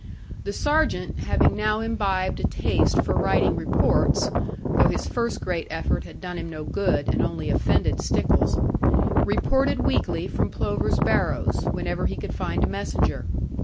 The Sergeant, having now imbibed a taste for writing reports (though his first great effort had done him no good, and only offended Stickles), reported weekly from Plover's Barrows, whenever he could find a messenger.